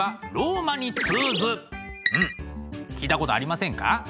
うん聞いたことありませんか？